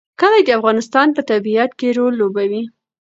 کلي د افغانستان په طبیعت کې رول لوبوي.